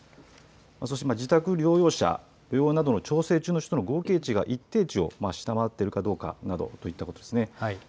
そしてまた自宅療養者、調整中の合計値が一定値を下回っているかどうかなどといったことですね。